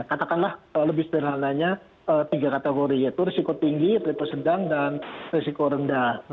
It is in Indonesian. katakanlah lebih sederhananya tiga kategori yaitu risiko tinggi risiko sedang dan risiko rendah